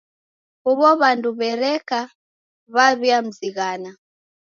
Huw'o w'andu w'ereka w'aw'iamzighana.